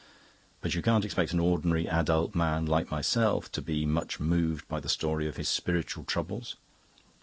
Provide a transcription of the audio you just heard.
But you can't expect an ordinary adult man, like myself, to be much moved by the story of his spiritual troubles.